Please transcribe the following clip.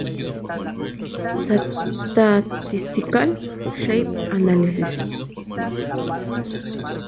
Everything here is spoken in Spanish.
Statistical shape analysis.